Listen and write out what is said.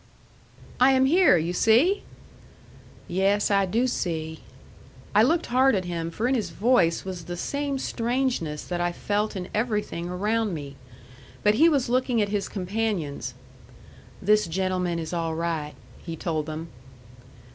"I am here, you see!" "Yes, I do see." I looked hard at him, for in his voice was the same strangeness that I felt in everything around me. But he was looking at his companions. "This gentleman is all right," he told them.